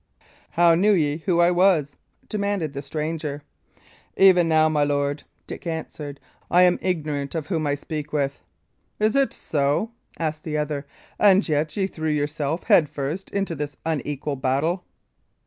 "How knew ye who I was?" demanded the stranger. "Even now, my lord," Dick answered, "I am ignorant of whom I speak with." "Is it so?" asked the other. "And yet ye threw yourself head first into this unequal battle."